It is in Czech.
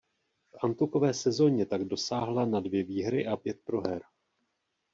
V antukové sezóně tak dosáhla na dvě výhry a pět proher.